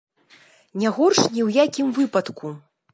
Не горш ні ў якім выпадку.